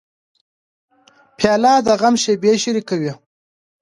پیاله د غم شېبې شریکوي.